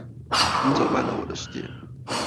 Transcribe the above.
你走慢了我的時間